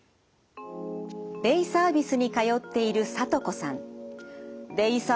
デイサービスに通っているさとこさん。